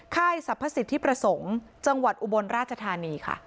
ค่ายสรรพสิทธิประสงค์จังหวัดอุบลราชธานีค่ะ